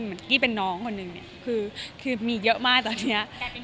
กี้เป็นน้องคนนึงเนี่ยคือมีเยอะมากตอนนี้